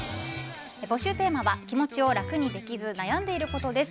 募集テーマは気持ちをラクにできず悩んでいることです。